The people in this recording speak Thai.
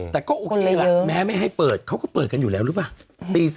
แต่ก็โอเคละแม้ไม่ให้เปิดเขาก็เปิดกันอยู่แล้วหรือเปล่า